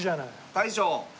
大将！